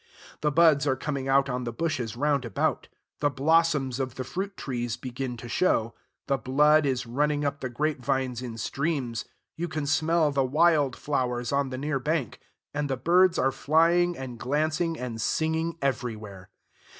The buds are coming out on the bushes round about; the blossoms of the fruit trees begin to show; the blood is running up the grapevines in streams; you can smell the Wild flowers on the near bank; and the birds are flying and glancing and singing everywhere.